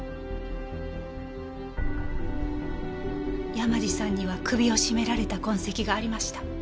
山路さんには首を絞められた痕跡がありました。